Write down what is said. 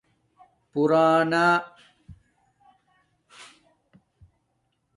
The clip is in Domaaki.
پُرانا